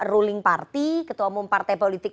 ruling party ketua umum partai politik